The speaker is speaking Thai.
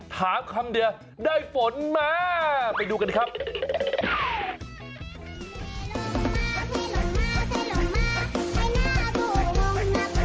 คำเดียวได้ฝนมาไปดูกันครับ